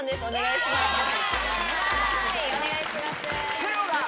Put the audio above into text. お願いします。